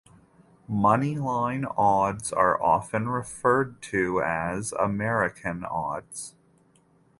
Moneyline odds are often referred to as "American odds".